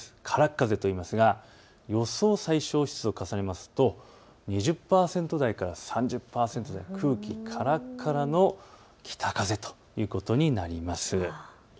からっ風といいますが予想最小湿度を重ねますと２０％台から３０％台、空気カラカラの北風ということになります。